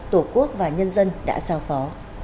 tổ quốc và nhân dân đã sao phó